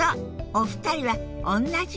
お二人はおんなじ